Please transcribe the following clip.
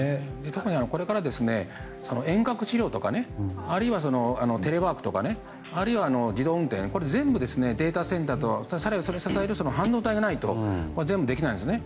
更にこれから遠隔治療とかあるいはテレワークとかあるいは自動運転全部データセンターもそれを支える半導体がないとできないんですよね。